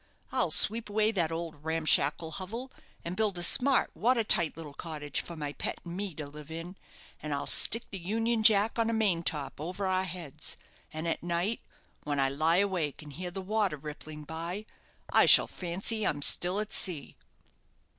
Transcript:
I'll sweep away that old ramshackle hovel, and build a smart water tight little cottage for my pet and me to live in; and I'll stick the Union Jack on a main top over our heads, and at night, when I lie awake and hear the water rippling by, I shall fancy I'm still at sea."